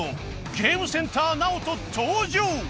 ゲームセンターナオト登場